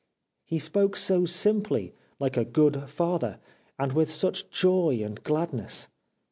He spoke so simply, like a good father, and with such joy and gladness.